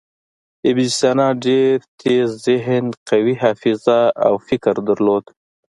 ابن سینا ډېر تېز ذهن، قوي حافظه او فکر درلود.